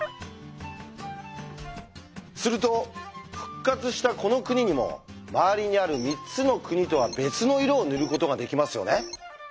すると復活したこの国にも周りにある３つの国とは別の色を塗ることができますよね。